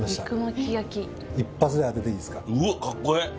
うわっかっこええ！